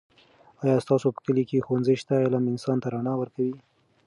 آیا ستاسو په کلي کې ښوونځی شته؟ علم انسان ته رڼا ورکوي.